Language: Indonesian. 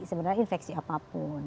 sebenarnya infeksi apapun